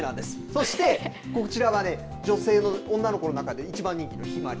そしてこちらはね、女性の女の子の中で一番人気のひまり。